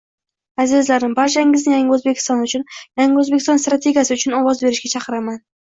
Azizlarim, barchangizni Yangi O‘zbekiston uchun, Yangi O‘zbekiston strategiyasi uchun ovoz berishga chaqiraman.